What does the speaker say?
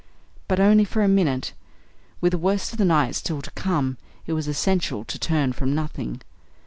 But only for a minute. With the worst of the night still to come it was essential to turn from nothing.